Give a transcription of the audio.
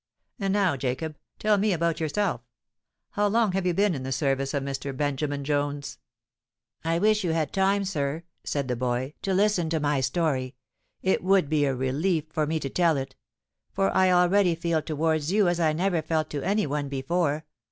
And now, Jacob, tell me about yourself. How long have you been in the service of Mr. Benjamin Bones?" "I wish you had time sir," said the boy, "to listen to my story: it would be a relief to me to tell it—for I already feel towards you as I never felt to any one before.